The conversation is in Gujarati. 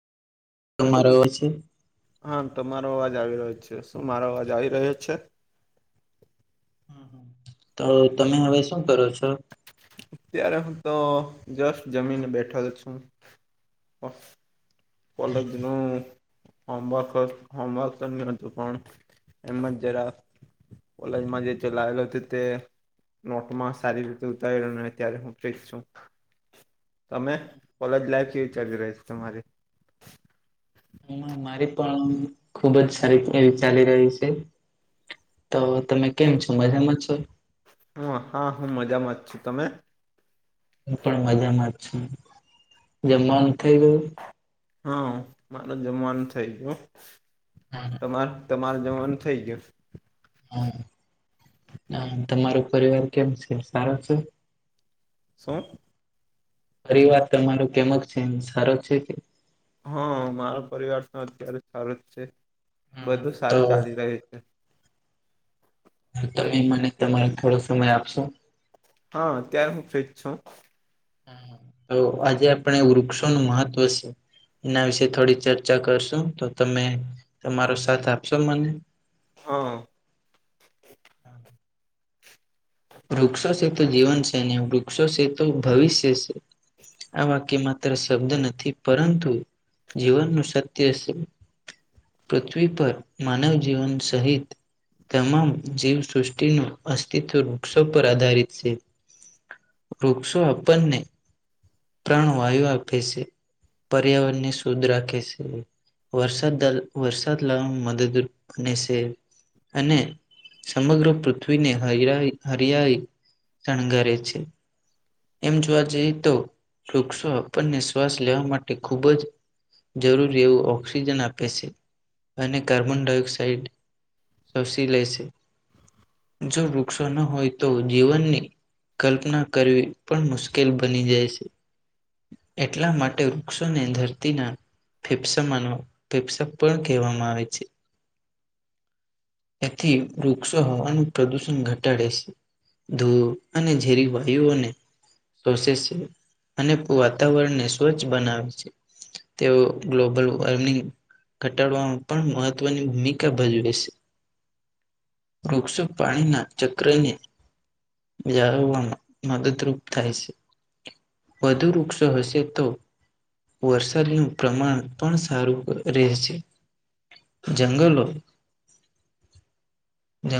તમારો અવાજ. હા તમારો અવાજ આવી રહ્યો છે શું મારો અવાજ આવી રહ્યો છે. તો તમે હવે શું કરો છો. અત્યારે હું તો જસ્ટ જમીને બેઠો જ છું. કોલેજનું હોમવર્ક જ હોમવર્ક પણ. એમ જ જરાક કોલેજમાં જે ચલા આવેલ હતો તે. નોટ માં સારી રીતે ઉતારેલો ને ત્યારે હું ફ છું. તમે કોલેજ લાઈફ કેવી ચાલી રહીશો તમારી. હ મારી પણ ખુબ જ સારી એવી ચાલી રહી છે. તો તમે કેમ છો મજામાં છો ને. હા હું મજામાં જ છું તમે. હું પણ મજામાં જ છું જે મન થઈ ગયું. હા મારે જમવાનું થઇ ગયું. હા. તમારુ તમારે જવાનું થઇ ગયું. હા. હ તમારો પરિવાર કેમ છે સારો છે. સો પરિ વાર તમારો કેમક છે સારો છે હા મારો પરિવાર તો અત્યારે સારો જ છે બધું તો સારું ચાલી રહ્યું છે તમે મને તમારે થોડો સમય આપશો હા અત્યારે હું ફ્રી જ છુ હ આજે આપણે વૃક્ષો નું મહત્વ છે એના વિશે થોડી ચર્ચા કરશું તો તમે તમારો સાથ આપશો મને હા વૃક્ષો છે તો જીવન છે ને વૃક્ષો છે તો ભવિષ્ય છે આ વાક્ય માત્ર શબ્દ નથી પરંતુ જીવન નું સત્ય છે પૃથ્વી પર માનવ જીવન સહિત તમામ જીવસૃષ્ટિનું અસ્તિત્વ વૃક્ષો પર આધારિત છે વૃક્ષો આપણને પ્રાણ વાયુ આપે છે પર્યાવરણ ને શુદ્ધ રાખે છે વરસાદદ વરસાદ લાવ મદદૂર થને છે અને સમગ્ર પૃથ્વીને હૈરાઈ હરિયાળી શણગારે છે એમ જોવા જઈએ તો વૃક્ષો આપણને શ્વાસ લેવા માટે ખૂબ જ જરૂરી એવું ઓક્સિજન આપે છે અને કાર્બન ડાયોક્સાઇડ સસી લેશે જો વૃક્ષો ન હોય તો જીવનની કલ્પના કરવી પણ મુશ્કેલ બની જાય છે એટલા માટે વૃક્ષોને ધરતીના ફેફસા મા ફેફસા પણ કહેવામાં આવે છે તેથી વૃક્ષો હવાનું પ્રદુષણ ઘટ ટાડે છે ધૂ અને ઝેરી વાયુઓને શષ છે અને વાતાવરણને સ્વચ્છ બનાવે છે તેઓ ગ્લોબલ વોર્મિંગ ઘટાડવામાં પણ મહત્વની ભૂમિકા ભજવે છે વૃક્ષો પાણી ના ચક્રને જાળવવામાં મદદરૂપ થાય છે વધુ વૃક્ષો હશે તો વરસાદીનું પ્રમાણ પણ સારું રહે છે જંગલ હોય